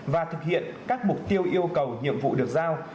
và thực hiện các mục tiêu yêu cầu nhiệm vụ được giao